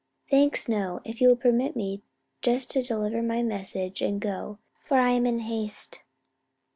"Thanks, no, if you will permit me just to deliver my message and go; for I am in haste."